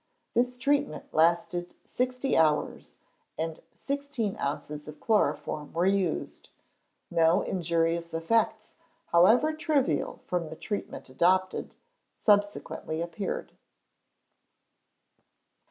This treatment lasted sixty hours, and sixteen ounces of chloroform were used. No injurious effects, however trivial from the treatment adopted, subsequently appeared.